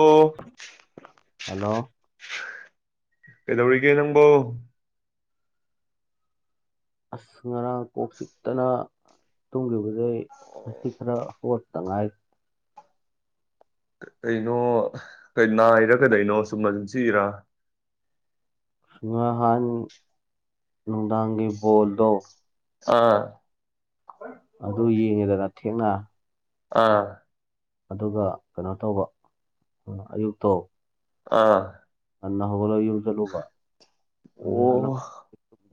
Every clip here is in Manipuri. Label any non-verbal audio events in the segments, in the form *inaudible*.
ꯑꯣ ꯍꯜꯂꯣ ꯀꯩꯗꯧꯔꯤꯒꯦ ꯅꯪꯕꯣ ꯑꯁ ꯉꯔꯥꯡ ꯀꯣꯛ ꯆꯤꯛꯇꯅ ꯇꯨꯝꯈꯤꯕꯗꯩ ꯉꯁꯤ ꯈꯔ ꯍꯧꯔꯛꯇ ꯉꯥꯏ ꯀꯩꯅꯣ ꯀ ꯅꯥꯏꯔ ꯀꯗꯩꯅꯣ ꯁ ꯏꯃꯔꯖꯦꯟꯁꯤꯔꯥ ꯉꯍꯥꯟ ꯂꯅꯨꯡꯗꯥꯥꯡꯒꯤ ꯕꯣꯜꯗꯣ ꯑꯥ ꯑꯗꯨ ꯌꯦꯡꯉꯤꯗꯅ ꯊꯦꯡꯅ ꯑꯥ ꯑꯗꯨꯒ ꯀꯩꯅꯣ ꯇꯧꯕ ꯑꯌꯨꯛꯇꯣ ꯑꯥ ꯑꯅꯍꯧꯕꯂ ꯌꯨꯝ ꯆꯠꯂꯨꯕ ꯑꯣ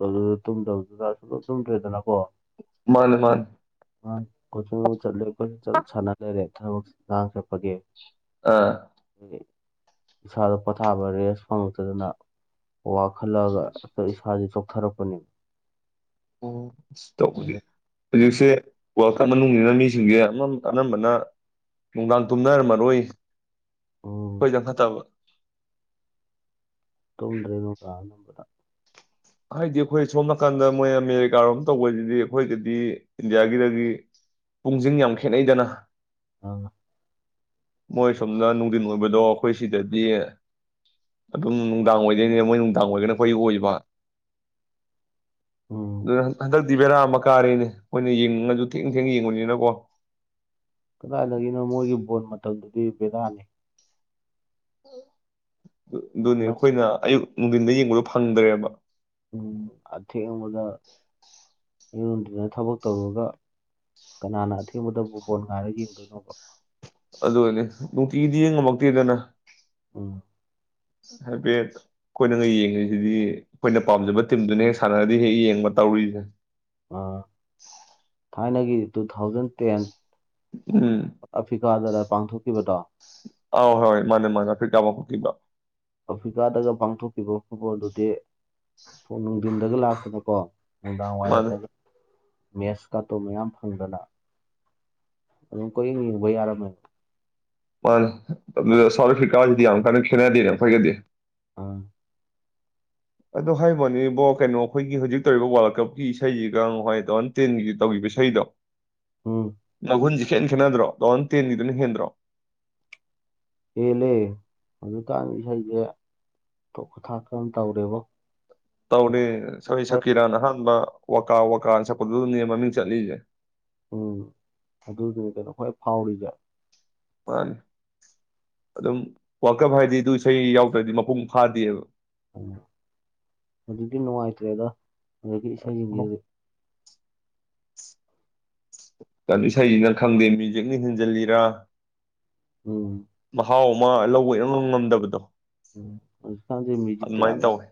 ꯑꯗꯨ ꯇꯨꯝꯗꯕꯗꯨꯗꯁꯨꯂꯝ ꯇꯨꯝꯗ꯭ꯔꯦꯗꯅꯀꯣ ꯃꯥꯅꯦ ꯃꯥꯅꯦ ꯀꯣꯆ ꯆꯠꯂꯦ ꯑꯩꯈꯣꯏ ꯁꯥꯟꯅ ꯂꯩꯔꯦ ꯊꯕꯛ ꯉꯥꯡ ꯆꯠꯄꯒꯤ ꯑꯥ ꯁꯥꯔ ꯄꯊ ꯁꯥꯕ ꯔꯦꯁ ꯐꯪꯉꯛꯇꯗꯅ ꯋꯥꯛ ꯆꯥꯎꯈꯠꯂꯛꯑꯒ ꯑ ꯏꯁꯥꯥꯁꯦ ꯊꯔꯛꯄꯅꯦ ꯑꯣ ꯇꯧꯕꯨꯗꯤ ꯍꯧꯖꯤꯛꯁꯦ ꯃꯅꯨꯡꯁꯤꯅ ꯃꯤꯁꯤꯡꯁꯦꯝ ꯑꯅꯝꯕꯅ ꯅꯨꯡꯗꯥꯡ ꯇꯨꯝꯅꯔꯝꯃꯔꯣꯏ ꯎꯝ ꯍꯣꯏꯗ ꯐꯠꯇꯕ ꯇꯣꯡꯗ꯭ꯔꯦꯅꯣ ꯀ ꯅꯝꯕꯗ ꯍꯥꯏꯗꯤ ꯑꯩꯈꯣꯏ ꯁꯣꯝ ꯅꯥꯀꯟꯗ ꯃꯣꯏ ꯑꯃꯦꯔꯤꯀꯥꯔꯣꯝ ꯇꯧꯕꯁꯤꯗꯤ ꯑꯩꯈꯣꯏꯗꯗꯤ ꯏꯟꯗꯤꯌꯥꯒꯤꯗꯒꯤ ꯄꯨꯡꯁꯤꯡ ꯌꯥꯝ ꯈꯦꯠꯅꯩꯗꯅ ꯑ ꯃꯣꯏ ꯁꯣꯝꯅ ꯅꯨꯡꯊꯤꯟ ꯑꯣꯏꯕꯗꯣ ꯑꯩꯈꯣꯏ ꯁꯤꯗꯗꯤ ꯑꯗꯨꯝ ꯅꯨꯡꯗꯥꯡ ꯑꯣꯏꯗꯣꯏꯅꯦ ꯃꯣꯏ ꯅꯨꯡꯗꯥꯡ ꯑꯣꯏꯒꯅ ꯑꯩꯈꯣꯏ ꯑꯣꯏꯕ ꯎꯝ ꯍꯗꯛ ꯗꯤ ꯕꯦꯔꯥ ꯑꯃ ꯀꯥꯔꯦꯅꯦ ꯃꯣꯏꯅ ꯌꯦꯡꯅꯤꯡꯉꯁꯨ ꯊꯦꯡ ꯊꯦꯡꯅ ꯌꯦꯡꯉꯨꯅꯤꯅꯀꯣ ꯀꯗꯥꯏꯗꯒꯤꯅꯣ ꯃꯣꯏꯒꯤ ꯕꯣꯜ ꯃꯇꯝꯗꯨꯗꯤ ꯕꯦꯗꯥꯅꯤ ꯑꯗꯨꯅꯤ ꯑꯩꯈꯣꯏꯅ ꯑꯌꯨꯛ ꯅꯨꯡꯊꯤꯟꯗ ꯌꯦꯡꯕꯗꯣ ꯐꯪꯗ꯭ꯔꯦꯕ ꯎꯝ ꯑꯊ ꯃꯗ ꯑꯩꯉꯣꯟꯗꯨꯅ ꯊꯕꯛ ꯇꯧꯔꯒ ꯀꯅꯥꯅ ꯑꯊꯦꯡꯕꯗ ꯕꯨꯨꯠꯕꯣꯣꯟ ꯉꯥꯏꯔꯒ ꯌꯦꯡꯗꯣꯏꯅꯣꯕ ꯑꯗꯨ ꯑꯣꯏꯅꯦ ꯅꯨꯡꯇꯤꯒꯤꯗꯤ ꯌꯦꯡꯉꯝꯃꯛꯇꯦꯗꯅ ꯎꯝ ꯍꯥꯏꯐꯦꯠ ꯑꯩꯈꯣꯏꯅ ꯌꯦꯡꯉꯤꯁꯤꯗꯤ ꯑꯩꯈꯣꯏꯅ ꯄꯥꯝꯖꯕ ꯇꯤꯝꯗꯨꯅ ꯍꯦꯛ ꯁꯥꯟꯅꯔꯗꯤ ꯍꯦꯛ ꯌꯦꯡꯕ ꯇꯧꯔꯔꯤꯁꯦ ꯑ ꯊꯥꯏꯅꯒꯤ ꯇꯨ ꯊꯥꯎꯖꯟ ꯇꯦꯟ ꯎꯝ ꯀꯗꯗ ꯄꯥꯡꯊꯣꯛꯈꯤꯕꯗꯣ ꯑꯧ ꯍꯣꯏ ꯃꯥꯅꯦ ꯃꯥꯅꯦ ꯀꯈꯩ ꯇꯥ ꯑꯃ ꯄꯨꯣꯛꯈꯤꯕ ꯑꯐ꯭ꯔꯤꯀꯥꯗꯒ ꯄꯥꯡꯊꯣꯛꯈꯤꯕ ꯐꯨꯠꯕꯣꯜꯗꯨꯗꯤ ꯅꯨꯡꯊꯤꯟꯗꯒ ꯂꯥꯛꯇꯅꯀꯣ ꯗꯥ ꯃꯥꯅꯦ ꯋꯥꯔꯛꯇ ꯃꯦꯠꯁ ꯀꯥꯇꯣ ꯃꯌꯥꯝ ꯐꯪꯗꯅ ꯑꯗꯨꯝ ꯀꯌꯦꯡ ꯌꯦꯡꯕ ꯌꯥꯔꯝꯃꯦ ꯃꯥꯅꯦ ꯑꯗꯨꯗ ꯁꯥꯎꯠ ꯑꯐ꯭ꯔꯤꯀꯥꯁꯤꯗꯤ ꯌꯥꯝ ꯀꯟꯅ ꯈꯦꯠꯅꯗꯦ ꯌꯥꯝ ꯐꯒꯗꯦ ꯑꯣ ꯑꯗꯨꯣ ꯍꯥꯏꯕꯅꯦ ꯏꯕꯣ ꯀꯩꯅꯣ ꯑꯩꯈꯣꯏꯒꯤ ꯍꯧꯖꯤꯛ ꯇꯧꯔꯤꯕ ꯋꯥꯔꯜ ꯀꯞꯀꯤ ꯏꯁꯩꯁꯤꯒ ꯋꯥꯏ ꯇ ꯊꯥꯎꯖꯟ ꯇꯦꯟꯒꯤ ꯇꯧꯈꯤꯕ ꯏꯁꯩꯗꯣ ꯎꯝ ꯂꯘꯟꯖꯤ ꯁꯦꯟ ꯈꯦꯠꯅꯗ꯭ꯔꯣ ꯂꯣꯟ ꯇꯦꯟꯒꯤꯗꯨꯅ ꯍꯦꯟꯗ꯭ꯔꯣ ꯍꯦꯜꯂꯦ ꯑꯗꯨꯖꯤꯛꯀꯥꯟ ꯏꯁꯩꯁꯦ ꯇꯣꯛꯄ ꯊꯥꯛꯇꯅ ꯇꯧꯔꯦꯕ ꯇꯧꯅꯤ ꯁꯣꯏ ꯁꯀꯤꯔꯟ ꯑꯍꯥꯟꯕ ꯋꯥꯋꯀꯥ ꯋꯥꯀꯥ ꯅꯤꯃꯝ ꯆꯥꯂꯤꯖꯦ ꯎꯝ ꯑꯗꯨꯗꯨꯅꯤ ꯀꯩꯅꯣ ꯍꯣꯏ ꯐꯥꯎꯔꯤꯁꯦ ꯃꯥꯅꯤ ꯑꯗꯨꯝ ꯋꯥꯀꯞ ꯍꯥꯏꯗꯤ ꯑꯗꯨ ꯏꯁꯩ ꯌꯥꯎꯗ꯭ꯔꯗꯤ ꯃꯄꯨꯡ ꯐꯥꯗꯦꯕ ꯑꯗꯨꯗꯤꯅꯣꯃꯏꯇꯔꯦꯗ ꯑꯗꯒꯤ ꯏꯁꯩꯁꯤꯡꯁꯤ ꯑꯗꯨꯗꯤ ꯀ ꯏꯁꯩꯁꯤꯅ ꯈꯪꯗꯦ ꯃ꯭ꯌꯨꯖꯤꯛꯅꯤ ꯍꯦꯟꯖꯤꯜꯂꯤꯔ ꯑꯣ ꯃꯍꯥꯎ ꯑꯃ ꯂꯧꯕ ꯉꯝꯗꯕꯗꯣ ꯁꯖꯦ ꯃꯨꯖꯤꯛ ꯑꯗꯨꯃꯥꯏꯅ ꯇꯌꯥꯅ ꯇꯧꯋꯦ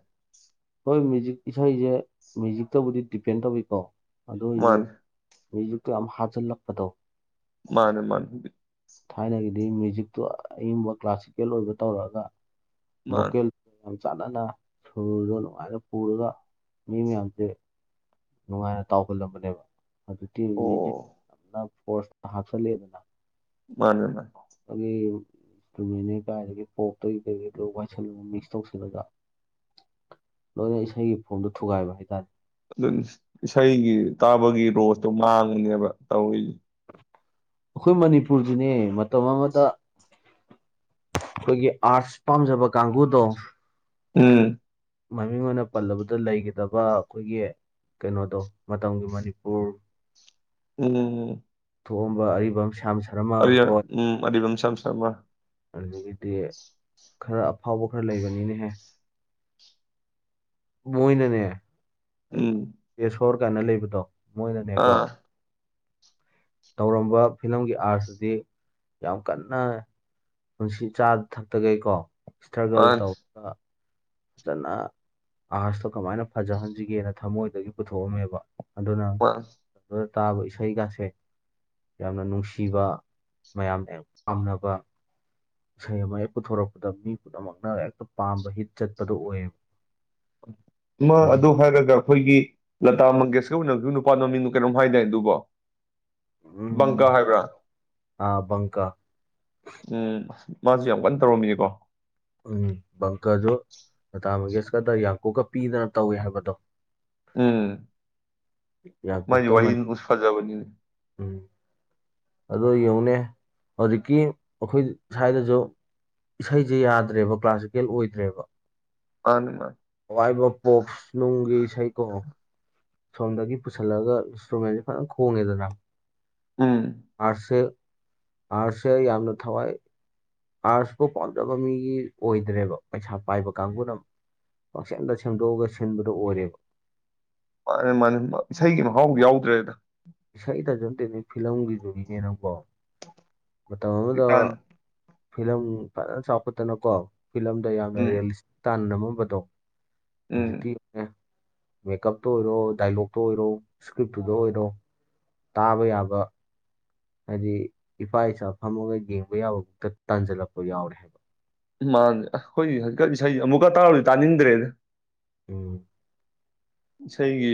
ꯍꯣꯏ ꯃꯨꯖꯤꯛ ꯏꯁꯩꯁꯦ ꯃꯦꯌꯨꯖꯤꯛꯇꯕꯨꯗꯤ ꯗꯤꯄꯦꯟ ꯇꯧꯏꯤꯀꯣ ꯑꯗꯨ ꯑꯣꯏꯏꯁꯨ ꯃꯥꯅꯦ ꯃ꯭ꯌꯨꯖꯤꯛꯇꯨ ꯌꯥꯝ ꯍꯥꯖꯤꯜꯂꯛꯄꯗꯣ ꯃꯥꯅꯦ ꯃꯥꯅꯦ ꯊꯥꯏꯅꯒꯤꯗꯤ ꯃ꯭ꯌꯨꯖꯤꯛꯇꯨ ꯑꯏꯨꯝꯕ ꯀ꯭ꯂꯥꯁꯤꯀꯦꯜ ꯑꯣꯏꯕ ꯇꯧꯔꯛꯑꯒ ꯃꯥꯅꯦ ꯕꯨꯀꯦ ꯌꯥꯝ ꯆꯥꯟꯅꯅ ꯁꯨꯔꯗꯣ ꯅꯨꯡꯉꯥꯏꯅ ꯄꯨꯔꯒ ꯃꯤ ꯃꯌꯥꯝꯁꯦ ꯅꯨꯡꯉꯥꯏꯅ ꯇꯥꯎꯒꯜꯂꯝꯕꯅꯦꯕ ꯑꯗꯨ ꯑꯣ ꯑꯗꯨ ꯌꯥꯝ ꯄꯁꯇ ꯍꯥꯞꯆꯤꯜꯂꯦꯗꯅ ꯃꯥꯅꯦ ꯃꯥꯅꯤ ꯑꯗꯨꯃꯤꯅꯦ ꯀꯥꯏꯔꯦ ꯄꯣꯛꯇ ꯔꯦꯠꯂꯨ ꯋꯥꯏ ꯁꯂꯨ ꯃꯤꯛꯁ ꯇꯧꯁꯤꯜꯂꯒ ꯂꯣꯏꯅ ꯏꯁꯩꯒꯤ ꯐꯣꯝꯗꯣ ꯊꯨꯒꯥꯏꯕ ꯍꯥꯏꯇꯥꯔꯦ ꯑꯗꯨꯝ ꯏꯁꯩꯒꯤ ꯇꯥꯕꯒꯤ ꯔꯣꯁꯇꯣ ꯃꯥꯡꯉꯅꯦꯕ ꯇꯧꯔꯤꯁꯦ ꯑꯩꯈꯣꯏ ꯃꯅꯤꯄꯨꯔꯁꯤꯅꯦ ꯃꯇꯝ ꯑꯃꯗ ꯑꯩꯈꯣꯏꯒꯤ ꯑꯥꯔꯠꯁ ꯄꯥꯝꯖꯕ ꯀꯥꯡꯕꯨꯗꯣ ꯎꯝ ꯃꯃꯤꯡ ꯑꯣꯏꯅ ꯄꯜꯂꯕꯗ ꯂꯩꯒꯗꯕ ꯑꯩꯈꯣꯏꯒꯤ ꯀꯩꯅꯣꯗꯣ ꯃꯇꯝꯒꯤ ꯃꯅꯤꯄꯨꯔ ꯎꯝ ꯊꯣꯛꯑꯝꯕ ꯑꯔꯤꯕꯝ ꯁꯔꯃ ꯑ ꯍꯣꯏ ꯎꯝ ꯑꯗꯤꯕ ꯊꯃ ꯑꯗꯨꯗꯒꯤꯗꯤ ꯈꯔ ꯑꯐꯥꯎꯕ ꯈꯔ ꯂꯩꯕꯅꯤꯅꯍꯦ ꯃꯣꯏ ꯅꯅꯦ ꯎꯝ *unintelligible* ꯁꯣꯔ ꯀꯥꯏꯅ ꯂꯩꯕꯗꯣ ꯃꯣꯏꯅꯅꯦꯀꯣ ꯑꯥ ꯇꯧꯔꯝꯕ ꯐꯤꯂꯝꯒꯤ ꯑꯥꯔꯠꯁꯤꯗꯤ ꯌꯥꯝ ꯀꯟꯅ ꯄꯨꯟꯁꯤ ꯆꯥ ꯊꯛꯇꯈꯩꯀꯣ ꯏꯁꯇ꯭ꯔꯒꯜ ꯃꯥꯅꯤ ꯇꯧꯕꯒ ꯐꯖꯅ ꯑꯍꯖꯇꯣ ꯀꯃꯥꯏꯅ ꯐꯖꯍꯟꯁꯤꯒꯦꯅ ꯊꯃꯣꯏꯗꯒꯤ ꯄꯨꯊꯣꯛꯑꯝꯃꯦꯕ ꯑꯗꯨꯅ ꯃꯥꯅꯤ *unintelligible* ꯇꯥꯕ ꯏꯁꯩꯒꯁꯦ ꯌꯥꯝꯅ ꯅꯨꯡꯁꯤꯕ ꯃꯌꯥꯝꯅ ꯌꯥꯝ ꯄꯥꯝꯅꯕ ꯏꯁꯩ ꯑꯃ ꯍꯦꯛ ꯄꯨꯊꯣꯔꯛꯄꯗ ꯃꯤ ꯄꯨꯝꯅꯃꯛꯅ ꯍꯦꯛꯇ ꯄꯥꯝꯕ ꯍꯤꯠ ꯆꯠꯄꯗꯨꯣ ꯑꯣꯏꯌꯦꯕ ꯍꯧꯖꯤꯛ ꯑꯗꯨ ꯍꯥꯏꯒ ꯑꯩꯈꯣꯏꯒꯤ ꯂꯇꯥ ꯃꯪꯒꯦꯁꯀꯔ ꯑꯣꯏꯅꯁꯨ ꯅꯨꯄꯥ ꯅꯨꯃꯤꯡꯅ ꯀꯩꯅꯣꯝ ꯍꯥꯏꯗꯦ ꯑꯗꯨꯕꯨꯣ ꯃꯉꯔ ꯎꯝ, ꯍꯥꯏꯕ꯭ꯔ ꯑꯥ ꯕꯪꯀ ꯎꯝ ꯃꯥꯁꯦ ꯌꯥꯝ ꯀꯟꯅ ꯇꯧꯔꯝꯃꯤꯅꯤꯀꯣ ꯎꯝ ꯕꯪꯀꯗꯨ ꯑꯇꯥꯃꯒꯦꯁꯀꯗ ꯌꯥꯡꯀꯨꯀ ꯄꯤꯗꯅ ꯇꯧꯏ ꯍꯥꯏꯕꯗꯣ ꯎꯝ ꯃꯥꯖꯤ ꯌꯥꯡꯀꯣꯛꯇ ꯋꯥꯍꯤ ꯃꯅꯤ ꯎꯁꯐꯥꯖꯕꯅꯤꯅꯤ ꯑꯗꯨ ꯌꯦꯡꯅꯦ ꯍꯧꯖꯤꯛꯀꯤ ꯑꯩꯈꯣꯏ ꯁ꯭ꯋꯥꯏꯗꯁꯨ ꯏꯁꯩꯁꯦ ꯌꯥꯗ꯭ꯔꯦꯕ ꯀ꯭ꯂꯥꯁꯤꯀꯦꯜ ꯑꯣꯏꯗ꯭ꯔꯦꯕ ꯑꯅꯤ ꯃꯥ ꯋꯥꯏꯕ ꯄꯣꯞꯁ ꯅꯨꯡꯒꯤ ꯏꯁꯩꯀꯣ ꯁꯣꯝꯗꯒꯤ ꯄꯨꯁꯜꯂꯒ ꯏꯟꯁꯇ꯭ꯔꯨꯃꯦꯟꯁꯦ ꯐꯖꯅ ꯈꯣꯡꯉꯦꯗꯅ ꯎꯝ ꯑꯁꯁꯦ ꯑꯁꯦ ꯌꯥꯝꯅ ꯊꯋꯥꯏ ꯑꯥꯔꯠꯁꯄꯨ ꯄꯥꯝꯖꯕ ꯃꯤꯒꯤ ꯑꯣꯏꯗ꯭ꯔꯦꯕ ꯄꯩꯁꯥ ꯄꯥꯏꯕ ꯀꯥꯡꯕꯨꯅ ꯑꯃ ꯄꯥꯛꯁꯦꯟꯗ ꯁꯦꯝꯗꯣꯛꯑꯒ ꯁꯤꯟꯕꯗ ꯑꯣꯏꯔꯦꯕ ꯃꯥꯅꯤ ꯃꯥꯅꯦ ꯏꯁꯩꯒꯤ ꯃꯍꯥꯎꯗꯤ ꯌꯥꯎꯗ꯭ꯔꯦꯗ ꯏꯁꯁꯥꯏ ꯇꯖꯣꯟꯇ ꯐꯤꯂꯝꯒꯤ ꯗꯨꯅꯤꯅꯦ ꯅꯪꯕꯣ ꯃꯇꯝ ꯑꯃꯗ ꯍꯧꯖꯤꯛꯀꯥꯟ ꯐꯤꯂꯝ ꯐꯖꯥ ꯆꯄꯠꯇꯅꯀꯣ ꯐꯤꯂꯝꯗ ꯌꯥꯝꯅ ꯎꯝ ꯔꯤꯌꯦꯂꯤꯁ ꯇꯥꯟ ꯇꯨꯝꯕꯗꯣ ꯎꯝ ꯍꯧꯖꯤꯛꯇꯦ ꯃꯦꯀꯞꯇ ꯑꯣꯏꯔꯣ ꯗꯥꯏꯂꯣꯛꯇ ꯑꯣꯏꯔꯣ ꯏꯁꯀ꯭ꯔꯤꯞꯇꯨꯗ ꯑꯣꯏꯔꯣ ꯇꯥꯕ ꯌꯥꯕ ꯍꯥꯏꯗꯤ ꯏꯄꯥ ꯏꯆꯥ ꯐꯝꯃꯒ ꯌꯦꯡꯕ ꯌꯥꯕ ꯈꯛꯇ ꯇꯥꯟꯁꯤꯜꯂꯛꯄ ꯌꯥꯎꯔꯦ ꯍꯥꯏꯕ ꯃꯥꯅꯦ ꯑꯩꯈꯣꯏꯀ ꯏꯁꯩ ꯑꯃꯨꯛꯀ ꯇꯥꯔꯗꯤ ꯇꯥꯅꯤꯡꯗ꯭ꯔꯦꯅꯦ ꯎꯝ ꯏꯁꯩꯒꯤ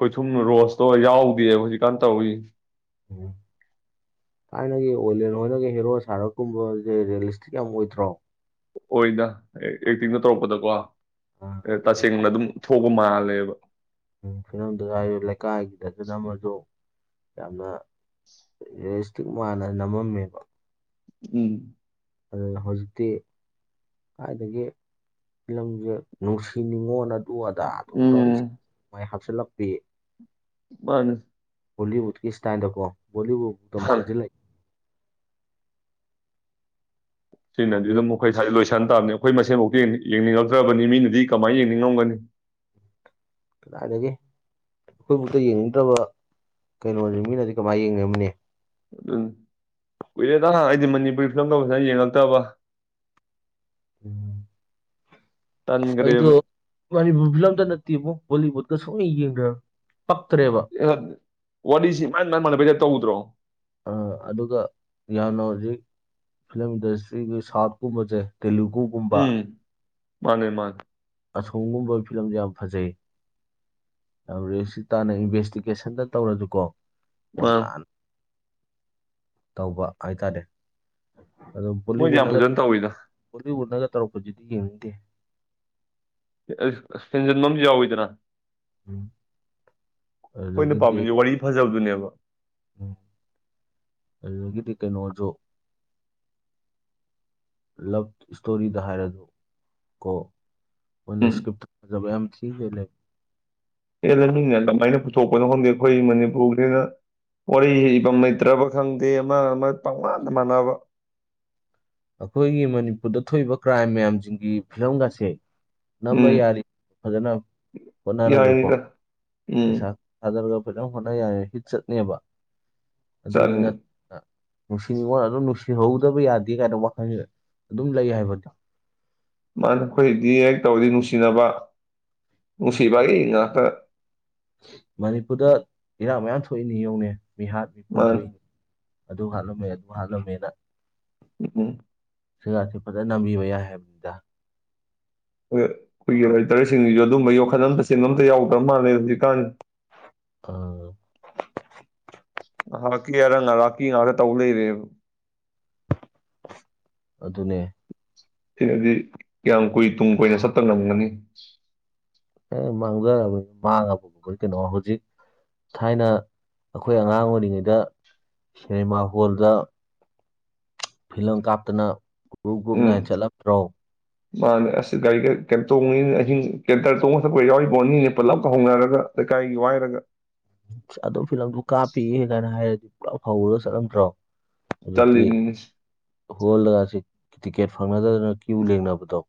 ꯈꯣꯏꯊꯨꯝ ꯔꯣꯁꯇꯣ ꯌꯥꯎꯗꯦꯕ ꯍꯧꯖꯤꯛꯀꯥꯟ ꯇꯧꯋ ꯎꯝ ꯊꯥꯏꯅꯒꯤ ꯑꯣꯏꯂꯦꯟ ꯍꯣꯏꯅꯒ ꯍꯦꯔꯣ ꯁꯥꯔꯛꯀꯨꯝꯕꯁꯦ ꯔꯤꯌꯦꯂꯤꯁꯇꯤꯛ ꯌꯥꯝ ꯑꯣꯏꯗ꯭ꯔꯣ ꯑꯣꯏꯅ ꯑꯦꯛꯇꯤꯡꯗ ꯇꯧꯔꯛꯄꯗꯀꯣ ꯑ, ꯇꯁꯦꯡꯅ ꯑꯗꯨꯝ ꯊꯣꯛ ꯃꯥꯜꯂꯦꯕ ꯎꯝ ꯐꯤꯂꯝꯗꯨ ꯍꯥꯏꯁꯨ ꯂꯩꯀꯥꯏꯒꯤꯗꯁꯨꯅ ꯑꯃꯁꯨ ꯌꯥꯝꯅ ꯔꯤꯌꯦꯂꯤꯁꯇꯤꯛ ꯃꯥꯥꯟꯅ ꯅꯝꯃꯝꯃꯦꯕ ꯎꯝ ꯑꯗꯨꯅ ꯍꯧꯖꯤꯛꯇꯤ ꯈꯋꯥꯏꯗꯒꯤ ꯐꯤꯂꯝꯁꯦ ꯅꯨꯡꯁꯤꯅꯤꯡꯉꯣꯅ ꯂ ꯑꯗ ꯑ ꯇ ꯎꯝ ꯃ ꯍꯥ ꯁꯂ ꯄ꯭ꯔꯤꯌꯦ ꯃꯥꯅꯦ ꯍ ꯎꯠꯀꯤꯁ ꯇꯥꯏꯗꯀꯣ ꯣꯕꯨꯗ ꯃꯥꯅꯦ ꯃꯥꯥꯡꯁꯤ ꯂꯩ ꯁꯤꯅ ꯑꯗꯨ ꯑꯗꯨꯝ ꯃꯈꯣꯏ ꯁꯗ ꯂ ꯁꯟ ꯇꯥꯕꯅꯦ ꯑꯩꯈꯣꯏ ꯃꯁꯦꯟꯐꯥꯎꯇ ꯌꯦꯡꯅꯤꯡꯉꯛꯇ꯭ꯔꯕꯅꯤ ꯃꯤꯅꯗꯤ ꯀꯃꯥꯏꯅ ꯌꯦꯡꯅꯤꯡꯉꯝꯒꯅꯤ ꯀꯗꯥꯏꯒꯦ ꯑꯩꯈꯣꯏꯕꯨꯥꯎꯗ ꯌꯦꯡꯅꯤꯡꯗ꯭ꯔꯕ ꯀꯩꯅꯣꯅꯤ ꯃꯤꯅꯗꯤ ꯀꯃꯥꯏꯅ ꯌꯦꯡꯅꯤꯡꯕꯅꯦ ꯀꯨꯏꯔꯦ ꯅꯍꯥꯟ ꯑꯩꯗꯤ ꯃꯅꯤꯄꯨꯔꯤ ꯐꯤꯂꯝꯒꯁꯤꯅ ꯌꯦꯡꯉꯛꯇꯕ ꯎꯝ ꯑꯩ ꯗꯣ ꯇꯟꯈ꯭ꯔꯦꯕ ꯃꯅꯤꯄꯨꯔ ꯐꯤꯂꯝꯗ ꯅꯠꯇꯦꯕꯨ ꯣꯂꯤꯋꯨꯠ ꯁꯣꯅꯤ ꯌꯦꯡꯒ ꯋꯥꯁꯤꯥꯏ ꯇꯧꯗ꯭ꯔꯣ ꯑꯗꯨꯒ ꯌꯥꯝꯅ ꯍꯧꯖꯤꯛ ꯐꯤꯂꯝ ꯏꯟꯗꯁꯇ꯭ꯔꯤꯒꯤ ꯁꯥꯎꯠꯀꯨꯝꯕꯁꯦ ꯇꯦꯂꯨꯒꯨꯒꯨꯝꯕ ꯎꯝ ꯃꯥꯅꯦ ꯃꯥꯅꯦ ꯑꯁꯣꯝꯒꯨꯝꯕ ꯐꯤꯂꯝꯁꯦ ꯌꯥꯝ ꯐꯖꯩ ꯌꯥꯝ ꯔꯤꯁꯤ ꯇꯥꯅ ꯏꯟꯚꯦꯁꯇꯤꯒꯦꯁꯟꯗ ꯇꯧꯔꯁꯨꯀꯣ ꯌꯥꯝ ꯃꯥꯅꯦ ꯇꯧꯕ ꯍꯥꯏꯇꯥꯔꯦ ꯃꯣꯏꯗꯤ ꯑꯗꯨꯣ ꯣꯂꯤꯋ ꯌꯥꯝ ꯅꯒ ꯐꯖꯅ ꯇꯧꯋꯤꯗ ꯣꯂꯤꯋꯨ ꯅꯒ ꯇꯧꯔꯨꯛꯄꯗꯨꯗꯤ ꯌꯦꯡꯅꯤꯡꯟꯗꯦ ꯁꯦꯟꯖꯟꯕꯝ ꯌꯥꯎꯋꯤꯗꯅ ꯎꯝ ꯑꯩꯈꯣꯏꯅ ꯑꯗꯨꯗꯒꯤꯗꯤ ꯄꯥꯝꯃꯤꯁꯦ ꯋꯥꯔꯤ ꯐꯖꯕꯗꯨꯅꯦꯕ *unintelligible* ꯎꯝ ꯑꯗꯨꯗꯒꯤꯗꯤ ꯀꯩꯅꯣꯁꯨ ꯂꯞ ꯏꯁꯇꯣꯔꯤꯗ ꯍꯥꯏꯔꯗꯨ ꯀꯣ ꯃꯣꯏꯅ ꯎꯝ ꯏꯁꯀ꯭ꯔꯤꯞꯇ ꯐꯖꯕ ꯌꯥꯝ ꯊꯤꯒꯦ ꯂꯩꯕ ꯑꯦ ꯂꯩꯃꯤꯅ ꯑꯗꯨꯃꯥꯏꯅ ꯄꯨꯊꯣꯛꯄꯅꯣ ꯈꯪꯗꯦ ꯑꯩꯈꯣꯏ ꯃꯅꯤꯄꯨꯔꯁꯤꯅ ꯋꯥꯔꯤ ꯏꯐꯝꯝ ꯂꯩꯇ꯭ꯔꯕ ꯈꯪꯗꯦ ꯑꯃ ꯑꯃ ꯄꯥꯎꯃꯥꯟꯗ ꯃꯥꯟꯅꯕ ꯑꯩꯈꯣꯏꯒꯤ ꯃꯅꯤꯄꯨꯔꯗ ꯊꯣꯛꯏꯕ ꯀ꯭ꯔꯥꯏꯝ ꯃꯌꯥꯝꯁꯤꯡꯒꯤ ꯐꯤꯂꯝꯒꯁꯦ ꯅꯝꯕ ꯎꯝ ꯌꯥꯔ ꯐꯖꯅ ꯄꯨꯟꯅꯔꯒꯦꯀꯣ ꯌꯥꯏꯅꯤꯗ ꯎꯝ ꯐꯤꯂꯝ ꯍꯣꯠꯅ ꯌꯥꯏ ꯍꯤꯠꯆꯠꯅꯦꯕ ꯑꯗꯨꯗꯤ ꯅ ꯆꯠꯅꯤ ꯅꯨꯡꯁꯤ ꯅꯤꯉꯣꯟ ꯑꯗꯨꯝ ꯅꯨꯡꯁꯤꯍꯧꯗꯕ ꯌꯥꯗꯦ ꯀꯥꯏꯅ ꯋꯥꯈꯜꯁ ꯑꯗꯨꯝ ꯂꯩ ꯍꯥꯏꯕꯗꯤ ꯃꯥꯅ ꯑꯩꯈꯣꯏ ꯗꯤꯌꯦꯛ ꯇꯧꯔꯗꯤ ꯅꯨꯡꯁꯤꯅꯕ ꯉꯁꯤꯕꯥꯒꯤ ꯉꯇ ꯃꯅꯤꯄꯨꯔꯗ ꯏꯔꯥꯡ ꯃꯌꯥꯝ ꯊꯣꯛꯏꯅꯤ ꯌꯦꯡꯧꯅꯦ ꯃꯤꯍꯥꯠ ꯃꯥꯅꯤ ꯃꯤꯄꯨꯟꯊꯏꯅꯤ ꯑꯗꯨ ꯍꯥꯠꯂꯝꯃꯦ ꯑꯗꯨ ꯍꯥꯠꯂꯝꯃꯦꯅ ꯎ ꯎꯝ ꯁꯤꯒꯁꯤꯦ ꯐꯖꯅ ꯅꯝꯕꯤꯕ ꯌꯥꯏ ꯍꯥꯏꯕꯅꯤꯗ ꯑꯩꯈꯣꯏꯒꯤ ꯔꯥꯏꯇꯔꯁꯤꯡꯁꯨ ꯑꯗꯨꯝꯕ ꯌꯣꯛꯈꯠ ꯑꯝꯇ ꯆꯦꯡ ꯑꯝꯇ ꯌꯥꯎꯗ꯭ꯔꯕ ꯃꯥꯥꯟꯂꯦ ꯍꯧꯖꯤꯛꯀꯥꯟ ꯑ ꯉꯥꯏꯍꯥꯛꯀꯤꯦ ꯑꯔꯪ ꯉꯔꯥꯛꯀꯤ ꯉꯥꯏꯍꯥꯛꯇ ꯇꯧ ꯂꯩꯔꯦꯕ ꯑꯗꯨꯅꯦ ꯁꯤꯅꯗꯤ ꯀꯌꯥꯝ ꯀꯨꯏ ꯇꯨꯡ ꯀꯨꯏꯅ ꯁꯄ ꯉꯝꯒꯅꯤ ꯍ ꯃꯥꯡꯖꯔꯕꯅꯤ ꯃꯥꯡꯉꯕꯒꯨꯝꯕ ꯀꯩꯅꯣ ꯍꯧꯖꯤꯛ ꯊꯥꯏꯅ ꯑꯩꯈꯣꯏ ꯑꯉꯥꯡ ꯑꯣꯏꯔꯤꯉꯩꯗ ꯁꯤꯅꯦꯃꯥ ꯍꯣꯜꯗ ꯐꯤꯂꯝ ꯀꯥꯞꯇꯅ ꯭ꯔꯨꯞ ꯭ꯔꯨꯞ ꯅ ꯆꯠꯂꯂꯝ꯭ꯔꯣ ꯃꯥꯅ ꯑꯁ ꯒꯥꯔꯤꯒ ꯇꯣꯡꯉꯤꯅ ꯑꯍꯤꯡ ꯀꯦꯟꯇꯔ ꯇꯣꯡꯉ ꯊꯛꯄ ꯌꯥꯎꯔꯤꯕꯥꯎ ꯑꯅꯤꯅꯦ ꯄꯨꯜꯂꯞꯒ ꯍꯧꯅꯔꯒ ꯂꯩꯀꯥꯏꯒꯤ ꯋꯥꯏꯔꯒ ꯑꯣ ꯐꯤꯂꯝꯗꯨꯣ ꯀꯥꯞꯄꯤ ꯀꯥꯏꯅ ꯍꯥꯏꯔꯗꯤ ꯄꯨꯂꯞ ꯐꯧꯔꯒ ꯆꯠꯂꯝꯗ꯭ꯔꯣ ꯆꯠꯅꯤ ꯍꯣꯜꯂꯒꯁꯤ ꯇꯤꯛꯀꯦꯠ ꯐꯪꯅꯗꯗꯅ ꯀ꯭ꯌꯨ ꯂꯦꯡꯅꯕꯗꯣ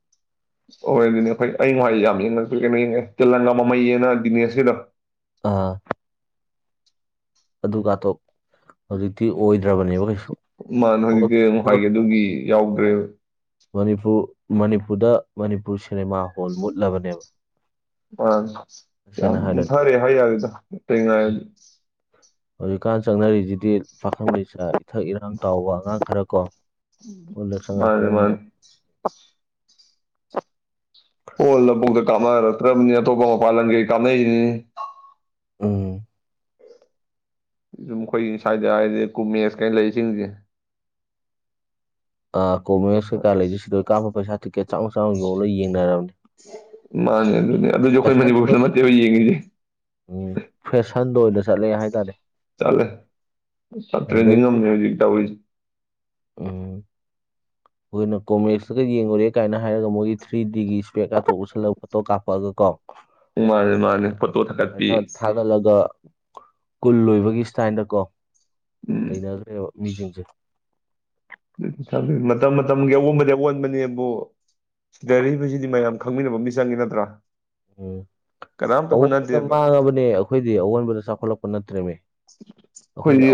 ꯍꯣꯏ ꯑꯗꯨꯗꯤꯅꯦ ꯑꯩꯈꯣꯏ ꯑꯩ ꯉ ꯌꯥꯝ ꯌꯦꯡꯉꯛꯇ꯭ꯔꯦ ꯀꯩꯅꯣ ꯌꯦꯡꯉꯛꯦ ꯇꯦꯂꯪꯒꯥ ꯃꯃꯩꯌꯦꯅ ꯗꯤꯅꯦꯁꯀꯤꯗ ꯑꯥ ꯑꯗꯨꯀꯊꯣꯛ ꯍꯧꯖꯤꯛꯇꯤ ꯑꯣꯏꯗ꯭ꯔꯕꯅꯦꯕ ꯀꯩꯁꯨ ꯃꯥꯅ ꯍꯣꯜ ꯍꯧꯖꯤꯛꯇꯤ ꯍꯣꯜ ꯍꯥꯏꯒꯦ ꯑꯗꯨꯒꯤ ꯌꯥꯎꯗ꯭ꯔꯦ ꯃꯅꯤꯄꯨꯔ ꯃꯅꯤꯄꯨꯔꯗ ꯃꯅꯤꯄꯨꯔ ꯁꯤꯅꯦꯃꯥ ꯍꯣꯜ ꯃꯨꯠꯂꯕꯅꯦꯕ ꯑ ꯌꯥꯝ ꯇꯁꯦꯡꯅ ꯍꯥꯏꯔꯗꯤ ꯊꯥꯔꯦ ꯍꯥꯏ ꯌꯥꯒꯦꯗꯦꯡ ꯉ ꯍꯧꯖꯤꯛꯀꯥꯟ ꯆꯪꯅꯔꯤꯁꯤꯗꯤ ꯄꯥꯈꯪ ꯂꯩꯁꯥ ꯏꯊꯛ ꯏꯔꯥꯡ ꯇꯥꯎꯕ ꯑꯉꯥꯡ ꯈꯔ ꯀꯣ ꯃꯗ ꯁꯪꯉ ꯃꯥꯅꯦ ꯐꯂꯝ ꯃꯥꯅꯦ ꯌꯨꯝ ꯍꯣ ꯂꯕꯨꯨꯛꯇ ꯀꯥꯃꯔꯛꯇ꯭ꯔꯕꯅꯤ ꯑꯇꯣꯞꯄ ꯃ ꯄꯥꯏꯂꯝꯪꯒꯩ ꯀꯥꯅꯩꯅꯤ ꯎꯝ ꯁꯨꯝ ꯑꯩꯈꯣꯏꯒꯤ ꯁ꯭ꯋꯥꯏꯗ ꯍꯥꯏꯗꯤ ꯀꯨꯃꯦꯁ ꯀꯩꯅ ꯂꯩꯁꯤꯡꯁꯦ ꯑ ꯀꯣꯡꯣꯒꯦꯁ ꯁꯔꯀꯥ ꯂꯩꯖꯦ ꯁꯤꯗ ꯀꯥꯞꯄ ꯄꯩꯁꯥ ꯇꯤꯀꯦꯠ ꯆꯉ ꯆꯝ ꯌ ꯂ ꯌꯦꯡꯅꯔꯕꯅꯤ ꯃꯥꯅꯦ ꯑꯗꯨꯅꯦ ꯑꯗꯨꯁꯨ ꯑꯩꯈꯣꯏ ꯐꯦꯁꯟ ꯃꯅꯤꯄꯨꯔ ꯐꯗ ꯑꯣꯏꯅ ꯅꯠꯇꯦꯕ ꯌꯦꯡꯉꯁꯦ ꯎꯝ ꯐꯦꯁꯟꯗ ꯑꯣꯏꯅ ꯆꯠꯂꯦ ꯍꯥꯏꯇꯥꯔꯦ ꯆꯂꯦ ꯁꯇ꯭ꯔꯦꯖꯤ ꯉꯝ ꯑꯗꯒꯤꯗꯤ ꯅ ꯍꯧꯖꯤꯛ ꯇ ꯑꯣꯏꯣꯏ ꯎꯝ ꯑꯩꯈꯣꯏꯅ ꯀꯣꯃꯦꯛꯁꯇꯀ ꯌꯦꯡꯉꯨꯔꯦ ꯀꯥꯏꯅ ꯍꯥꯏꯔꯒ ꯃꯣꯏꯒꯤ ꯊ꯭ꯔꯤ ꯗꯤꯒꯤ ꯏꯁꯄꯦꯛ ꯀꯥꯇꯣꯛ ꯎꯁꯤꯜꯂꯒ ꯐꯣꯇꯣ ꯀꯥꯄꯛꯑꯒ ꯀꯣ ꯃꯥꯅꯦ ꯃꯥꯅꯦ ꯐꯣꯇꯣ ꯊꯥꯀꯠꯄꯤ ꯑꯗꯨꯃꯥꯏꯅ ꯊꯥꯒꯠꯂꯒ ꯀꯨꯜ ꯂꯣꯏꯕꯒꯤ ꯁꯇꯥꯏꯜꯗ ꯀꯣ ꯎꯝ ꯂꯩꯅꯈ꯭ꯔꯦꯕ ꯃꯤꯁꯤꯡꯁꯦ ꯃꯇꯝ ꯃꯇꯝꯒꯤ ꯑꯑꯣꯟꯕꯗꯤ ꯑꯑꯣꯟꯕꯅꯤ ꯑꯗꯨꯕꯨ ꯁꯤ ꯂꯩꯁꯤꯗꯤ ꯃꯌꯥꯝ ꯈꯪꯃꯤꯟꯅꯕ ꯃꯤ ꯆꯪꯉꯦ ꯅꯠꯇ꯭ꯔꯥ ꯎꯝ ꯀꯅꯥꯝꯇ ꯑꯑꯣꯟꯕꯗ ꯍꯣꯠꯅꯗꯦꯕ ꯃꯥꯡꯉꯕꯅꯦ ꯑꯩꯈꯣꯏꯗꯤ ꯑꯑꯣꯟꯕꯗ ꯆꯥꯎꯈꯠꯂꯛꯄ ꯅꯠꯇ꯭ꯔꯦꯅꯦ ꯑꯩꯈꯣꯏꯗꯤ ꯑ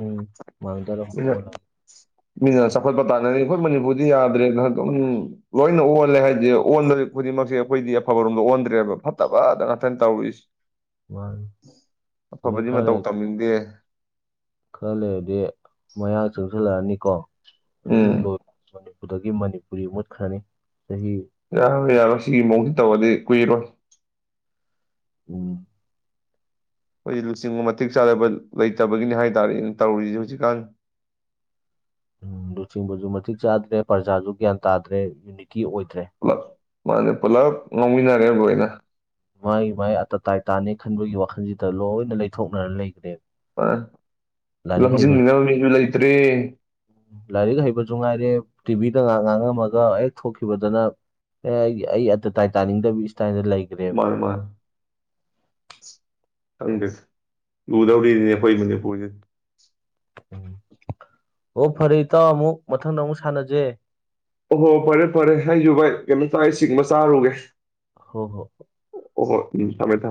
ꯎꯝ ꯃꯥꯡꯖꯔꯝꯗꯣ ꯑꯣꯜꯂꯕ ꯃꯤ ꯁꯐꯜ ꯄꯇꯥꯅꯦ ꯗꯤ ꯑꯩꯈꯣꯏ ꯃꯅꯤꯄꯨꯔꯗꯤ ꯌꯥꯗ꯭ꯔꯦꯅ ꯑꯗꯨꯝ ꯂꯣꯏꯅ ꯑꯣꯜꯂꯦ ꯍꯥꯏꯗꯤ ꯑꯣꯟꯗ ꯈꯨꯗꯤꯡꯃꯛꯁꯦ ꯑꯩꯈꯣꯏꯗꯤ ꯑꯐꯕꯔꯣꯝꯗ ꯑꯣꯟꯗ꯭ꯔꯦꯕ ꯐꯠꯇꯕꯠꯇ ꯉꯥꯛꯇꯪ ꯇꯧꯔꯨꯏꯁꯦ ꯃꯥꯅꯤ ꯑꯐꯕꯗꯤ ꯃꯇꯧ ꯇꯝꯅꯤꯡꯗꯦ ꯈꯂꯦ ꯑ ꯃꯌꯥ ꯆꯪꯁꯤꯜꯂꯛꯑꯅꯤ ꯀꯣ ꯑꯗꯨꯝ ꯎꯝ ꯂꯣꯏ ꯃꯅꯤꯄꯨꯔꯗ ꯒꯤ ꯃꯅꯤꯄꯨꯔꯤ ꯃꯨꯠꯈ꯭ꯔꯅꯤ ꯆꯍꯤ ꯌꯥ ꯌꯥ ꯁꯤꯒꯤ ꯃꯑꯣ ꯇꯧꯋꯥꯗꯤ ꯀꯨꯏꯔꯣ ꯎꯝ ꯑꯩꯈꯣꯏꯖꯤ ꯂꯨꯆꯤꯡꯕ ꯃꯇꯤꯛ ꯆꯥꯗꯕ ꯂꯩꯇꯕꯒꯤꯅꯤ ꯍꯥꯏ ꯇꯥꯔꯦ ꯑꯩꯅ ꯇꯧꯔꯔꯤꯁꯤꯦ ꯍꯧꯖꯤꯛꯀꯥꯟ ꯎꯝ ꯂꯨꯆꯤꯡꯕꯁꯨ ꯃꯇꯤꯛ ꯆꯥꯗ꯭ꯔꯦ ꯄ꯭ꯔꯖꯥꯁꯨ ꯒ꯭ꯌꯥꯟ ꯇꯥꯗ꯭ꯔꯦ ꯌꯨꯅꯤꯇꯤ ꯑꯣꯏꯦ ꯠꯇꯦ ꯄꯨꯂꯞ ꯃꯥꯅꯦ ꯄꯨꯂꯞ ꯉꯥꯎꯃꯤꯟꯅꯔꯦꯕꯣꯏ ꯑꯣꯏꯅ ꯃꯥꯏ ꯃꯥꯏ ꯑꯇꯇꯥꯏꯇꯥꯥꯅꯤ ꯈꯟꯕꯒꯤ ꯋꯥꯈꯜꯁꯤꯗ ꯂꯣꯏꯅ ꯂꯩꯊꯣꯛꯅꯔ ꯂꯩꯈꯅꯦꯦꯕ ꯑ ꯂꯥꯏꯔꯤꯛ ꯍꯩꯕ ꯂꯥꯏꯔꯤꯛ ꯍꯩꯕꯁꯨꯅꯨꯡꯉꯥꯏꯔꯦ ꯇꯤꯚꯤ ꯗ ꯉꯥꯏꯍꯥꯛ ꯉꯥꯡꯉꯝꯃꯒ ꯍꯦꯛ ꯊꯣꯛꯈꯤꯕꯗꯅ ꯑꯦ ꯑꯩ ꯑꯩ ꯑꯇꯇꯥꯏ ꯇꯥꯅꯤꯡꯗꯕꯤ ꯥꯏꯗ ꯂꯩꯈ꯭ꯔꯦꯕ ꯃꯥꯅꯦ ꯃꯥꯅꯦ ꯊꯪꯒꯁ ꯂꯨꯗꯥꯧꯅꯤ ꯍ ꯃꯅꯤ ꯄꯨꯖꯤ ꯎꯝ ꯑꯣ ꯐꯔꯦ ꯏꯇꯥꯎ ꯑꯃꯨꯛ ꯃꯊꯪꯗ ꯑꯃꯨꯛ ꯁꯥꯟꯅꯁꯦ ꯑꯣꯍꯣ ꯐꯔꯦ ꯐꯔꯦ ꯑꯩꯁꯨ ꯚꯥꯏ ꯀꯩꯝꯇꯥꯏ ꯑꯩ ꯤꯡꯕ ꯆꯥꯔꯨꯒꯦ ꯍꯣ ꯍꯣ ꯍꯣ ꯁꯃꯦ ꯊ